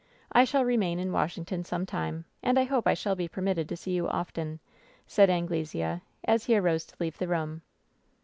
I shall remain in Washington some time, and I hope I shall be permitted to see you often," said Anglesea, as he arose to leave the room.